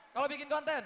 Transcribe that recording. kalau bikin konten